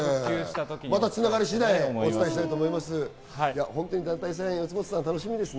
またつながり次第、お伝えしたいと思います。